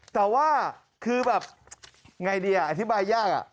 แต่ว่าคือแบบไงดีอธิบายยาก